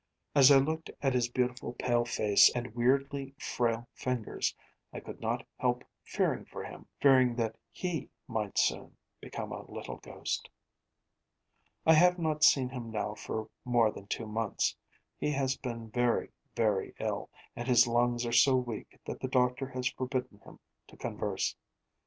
As I looked at his beautiful pale face and weirdly frail fingers, I could not help fearing for him, fearing that he might soon become a little ghost. I have not seen him now for more than two months. He has been very, very ill; and his lungs are so weak that the doctor has forbidden him to converse.